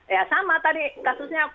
ya sama tadi kasusnya